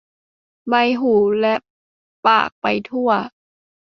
ใบหูและปากไปทั่ว